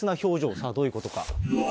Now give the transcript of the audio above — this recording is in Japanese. さあどういうことか。